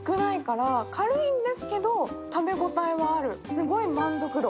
すごい満足度。